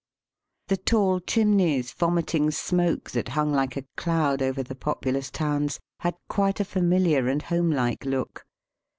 The tall chimneys, vomiting smoke that hung like a cloud over the populous towns, had quite a familiar and homelike look.